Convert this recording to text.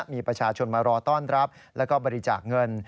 มีประชาชนมารอต้อนรับแล้วก็บริจาคเงิน